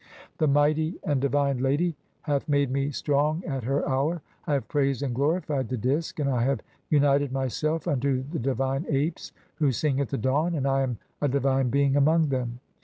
The "mighty and divine Lady hath made me strong at her hour. I "have praised and glorified the Disk, (5) and I have united "myself unto the divine apes who sing at the dawn, and I am "a divine Being among them.